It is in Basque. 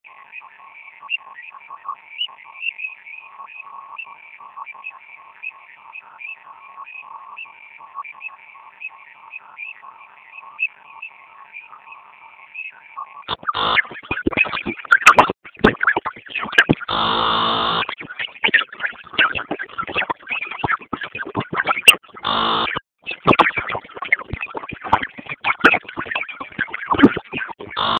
Erasotzailea giltzapean sartuta zegoen bere logelan ertzainak heldu zirenean.